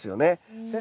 先生